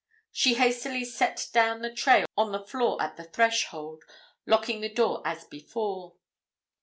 She hastily set down the tray on the floor at the threshold, locking the door as before.